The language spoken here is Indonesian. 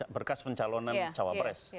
berkas pencalonan cawabres